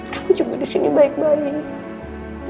kamu juga disini baik baik